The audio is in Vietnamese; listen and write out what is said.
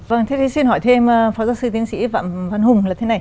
vâng thế thì xin hỏi thêm phó giáo sư tiến sĩ phạm văn hùng là thế này